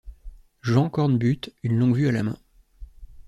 Jean Cornbutte, une longue-vue à la main